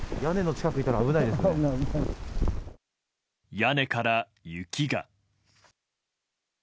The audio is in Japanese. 屋根から雪が。